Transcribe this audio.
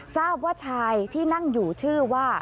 ทราบว่าชายที่นั่งอยู่ชื่อว่า